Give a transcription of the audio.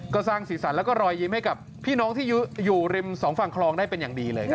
ก็สร้างสีสันแล้วก็รอยยิ้มให้กับพี่น้องที่อยู่ริมสองฝั่งคลองได้เป็นอย่างดีเลยครับ